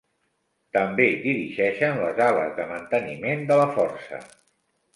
També dirigeixen les ales de manteniment de la força.